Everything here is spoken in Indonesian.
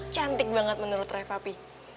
cantik banget menurut reva pi